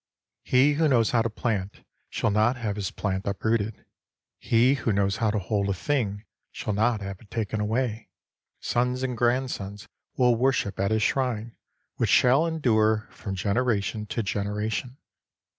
He who knows how to plant, shall not have his plant uprooted ; he who knows how to hold a thing, shall not have it taken away. Sons and grandsons will worship at his shrine, which shall endure from generation to generation.